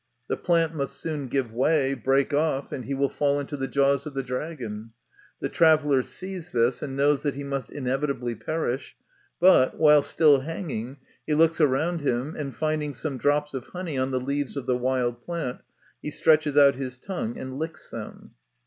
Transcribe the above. The plant must soon give way, break off, and he will fall into the jaws of the dragon. The traveller sees this, and knows that he must inevitably perish ; but, while still hanging, he looks around him, and, finding some drops of honey on the leaves of the wild plant, he stretches out his tongue and licks them.